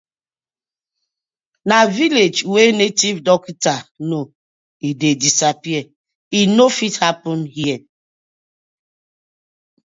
Na village wey native doctor know e dey disappear, e no fit happen here.